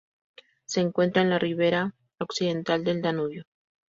Se encuentra en la ribera occidental del Danubio.